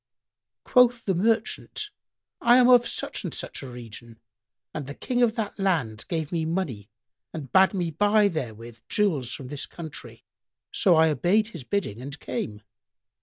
Quoth the merchant, "I am of such and such a region, and the King of that land gave me money and bade me buy therewith jewels from this country; so I obeyed his bidding and came."